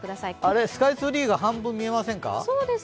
スカイツリーが半分、見えませんか？